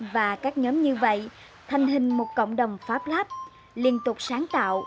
và các nhóm như vậy thành hình một cộng đồng fablab liên tục sáng tạo